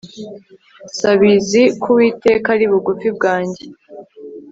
nsabizi ko uwiteka ari bugufi bwanjye